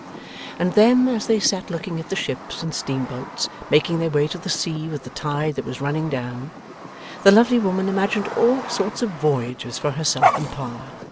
And then, as they sat looking at the ships and steamboats making their way to the sea with the tide that was running down, the lovely woman imagined all sorts of voyages for herself and Pa.